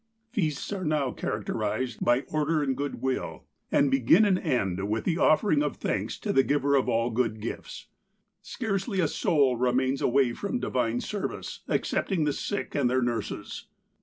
" Feasts are now characterized by order and good will, and begin and end with the offering of thanks to the Giver of all good gifts. Scarcely a soul remains away from divine service, excepting the sick, and their nurses.